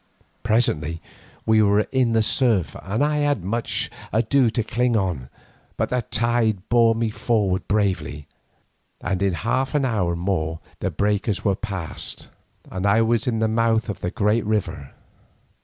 Presently we were in the surf, and I had much ado to cling on, but the tide bore me forward bravely, and in half an hour more the breakers were past, and I was in the mouth of the great river.